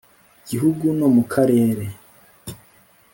gihugu no mu karere